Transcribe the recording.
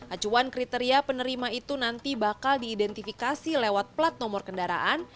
acuan kriteria penerima itu nanti bakal diidentifikasi lewat plat nomor kendaraan